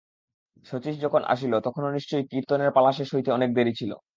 শচীশ যখন আসিল তখনো নিশ্চয়ই কীর্তনের পালা শেষ হইতে অনেক দেরি ছিল।